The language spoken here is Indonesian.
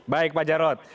baik pak jarod